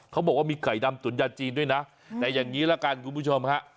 เขาบอกว่ามีไก่ดำตุ๋นยาจีนด้วยนะแต่อย่างนี้ละกันคุณผู้ชมฮะ